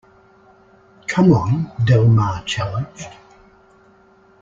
Come on, Del Mar challenged.